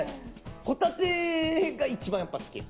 ホタテが一番やっぱ好き？